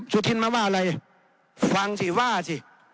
สุธินมาว่าอะไรฟังสิว่าสิ